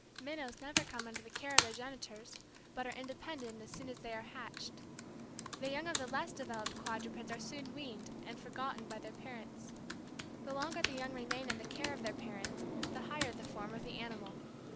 Minnows never come under the care of their genitors, but are independent as soon as they are hatched. The young of the less developed quadrupeds are soon weaned and forgotten by their parents. The longer the young remain in the care of their parents the higher the form of the animal.